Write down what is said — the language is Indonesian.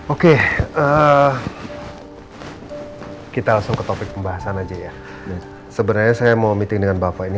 oke kita langsung ke topik pembahasan aja ya sebenarnya saya mau meeting dengan bapak ini